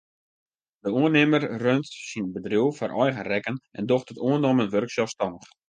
De oannimmer runt syn bedriuw foar eigen rekken en docht it oannommen wurk selsstannich.